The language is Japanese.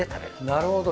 なるほど。